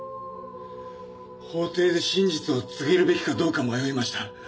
法廷で真実を告げるべきかどうか迷いました。